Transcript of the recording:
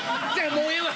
もうええわ！